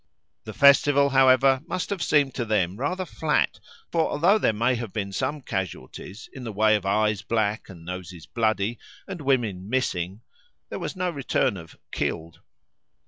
The festival, however, must have seemed to them rather flat, for although there may have been some "casualties" in the way of eyes black and noses bloody, and women "missing," there was no return of "killed."